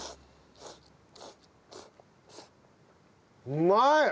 うまい！